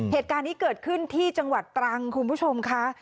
เหตุการณ์นี้เกิดขึ้นที่จังหวัดตรังคุณผู้ชมค่ะ